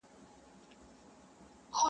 o دا کيسه د انسانيت د سقوط ژور انځور دی,